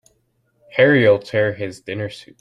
Harry'll tear his dinner suit.